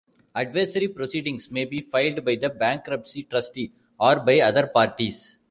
Adversary proceedings may be filed by the bankruptcy trustee or by other parties.